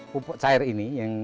pupuk cair ini